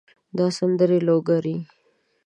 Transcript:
دا سندرې لوګري